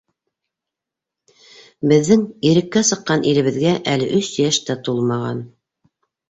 Беҙҙең иреккә сыҡҡан илебеҙгә әле өс йәш тә тулмаған.